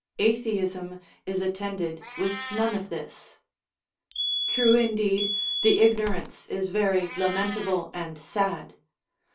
5. Atheism is attended with none of this. True indeed, the ignorance is very lamentable and sad.